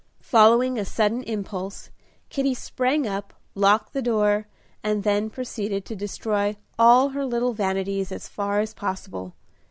Following a sudden impulse, Kitty sprang up, locked the door, and then proceeded to destroy all her little vanities as far as possible.